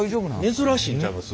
珍しいんちゃいます？